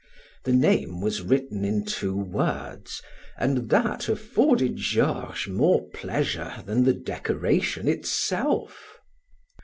The name was written in two words, and that afforded Georges more pleasure than the decoration itself.